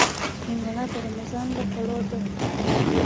هندوانه د رمضان له خوړو ده.